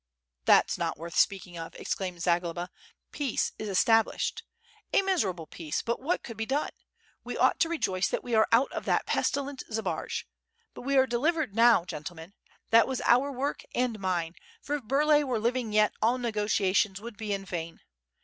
"That's not worth speaking of," exclaimed Zagloba. Peace is established! A miserable peace, but what could be done? we ought to rejoice that we are out of that pestilent Zbaraj. But we are delivered now, gentlemen. That was our work, and mine, for if Burlay were living yet all nego tiations would be in vain.